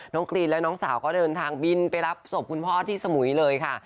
กรีนและน้องสาวก็เดินทางบินไปรับศพคุณพ่อที่สมุยเลยค่ะ